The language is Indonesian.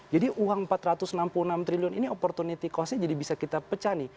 jadi uang rp empat ratus enam puluh enam triliun ini opportunity cost nya jadi bisa kita pecah nih